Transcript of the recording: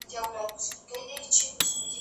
سره تغیر سوي دي.